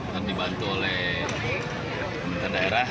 dan dibantu oleh pemerintah daerah